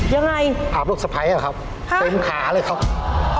ยังไงอาบลูกสะพ้ายแล้วครับเป็นขาเลยครับโอ้โฮ